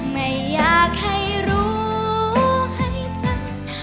ไม่อยากให้รู้ให้ฉัน